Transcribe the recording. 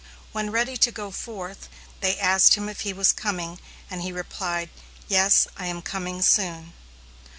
When ready to go forth, they asked him if he was coming, and he replied, "Yes, I am coming soon."